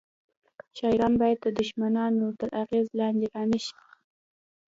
شاعران باید د دښمنانو تر اغیز لاندې رانه شي